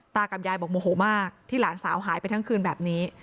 กับยายบอกโมโหมากที่หลานสาวหายไปทั้งคืนแบบนี้